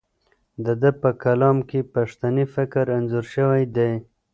د ده په کلام کې پښتني فکر انځور شوی دی.